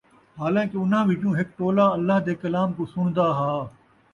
حالانکہ اُنھاں وِچوں ہِک ٹولا اللہ دے کلام کُوں سُݨدا ہا،